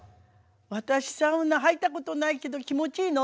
私サウナ入ったことないけど気持ちいいの？